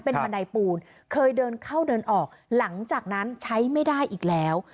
เป็นบันไดปูนเคยเดินเข้าเดินออกหลังจากนั้นใช้ไม่ได้อีกแล้ว